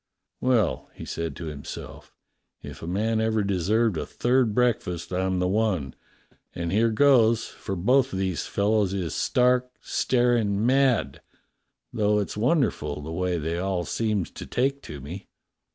"Well," he said to himself, "if a man ever deserved a third breakfast, I'm the one, and here goes; for both of these fellows is stark, staring mad, though it's wonder ful the way they all seems to take to me."